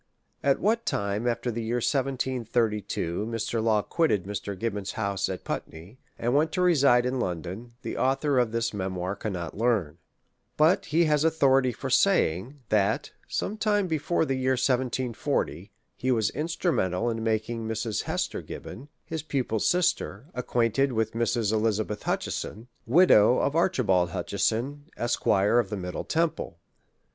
At what time after the year 1732 Mr. Law quitted Mr. Gibbon's house at Putney, and went to reside in London, the author of this memoir cannot learn ; but he has authority for saying , that, some time before the year 1740, he was instrumental in making Mrs. Hes ter Gibbon, his pupil's sister, acquainted with Mrs. Elizabeth Hutcheson, widow of Archibald Hutche son, Esq. of the Middle Temple.